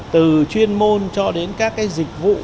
từ chuyên môn cho đến các dịch vụ